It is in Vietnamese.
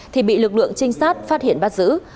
thì bị lực lượng trinh sát phát hiện bắt giữ